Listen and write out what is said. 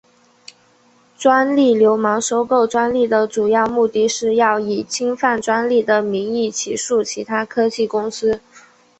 专利流氓收购专利的主要目的是要以侵犯专利的名义起诉其他科技公司。